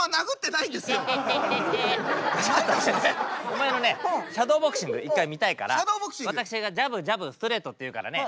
お前のねシャドーボクシング一回見たいから私がジャブジャブストレートって言うからね